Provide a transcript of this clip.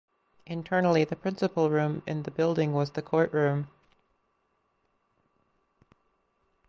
Internally the principal room in the building was the courtroom.